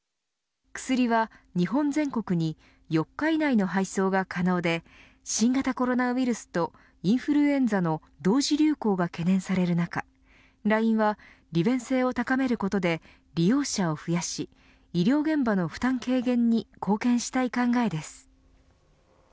薬は、日本全国に４日以内の配送が可能で新型コロナウイルスとインフルエンザの同時流行が懸念される中ＬＩＮＥは利便性を高めることで利用者を増やし医療現場の負担軽減に貢献したい考えです。